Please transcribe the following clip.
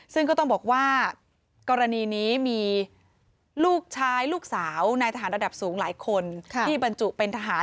ซึ่งก็ต้องบอกว่ากรณีนี้มีลูกชายลูกสาวนายทหารระดับสูงหลายคนที่บรรจุเป็นทหาร